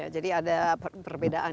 jadi ada perbedaan